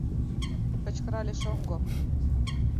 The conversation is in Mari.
— кычкырале шоҥго.